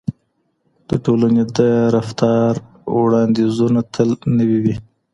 د ټولنې د رفتار وړاندیزونه تل نوي وي.